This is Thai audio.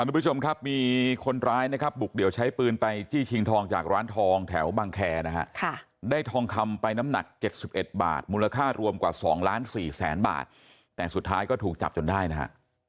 ทุกผู้ชมครับมีคนร้ายนะครับบุกเดี่ยวใช้ปืนไปจี้ชิงทองจากร้านทองแถวบางแคร์นะฮะได้ทองคำไปน้ำหนัก๗๑บาทมูลค่ารวมกว่า๒ล้านสี่แสนบาทแต่สุดท้ายก็ถูกจับจนได้นะฮะ